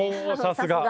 さすが。